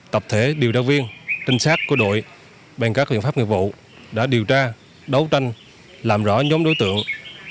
tập thể điều tra viên trinh sát của đội bên các biện pháp nghiệp vụ đã điều tra đấu tranh làm rõ nhóm đối tượng